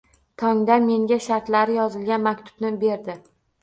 Tongda menga shartlari yozilgan maktubni berdi